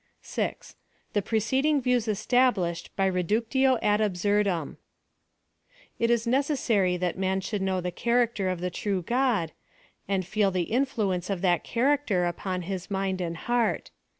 6. THE PRECEDING VIEWS ESTABLISHED BY REDUC TIO AD ABSURDUM. It is necessary that man should know the charac ter of the true God, and feel the influence of that character upon his mind and heart.